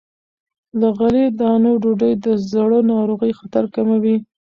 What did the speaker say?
له غلې- دانو ډوډۍ د زړه ناروغۍ خطر کموي.